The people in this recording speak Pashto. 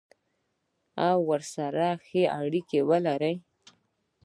او ورسره ښه اړیکه ولري.